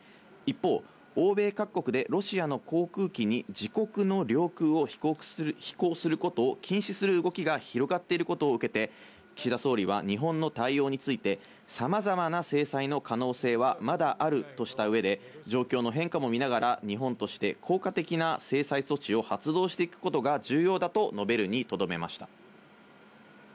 一方、欧米各国でロシアの航空機に自国の領空を飛行することを禁止する動きが広がっていることを受けて、岸田総理は日本の対応について、さまざまな制裁の可能性はまだあるとしたうえで、状況の変化も見ながら、日本として効果的な制裁措置を発動していくことが重要だと述べるにとどめました。